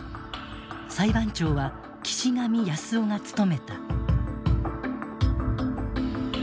裁判長は岸上康夫が務めた。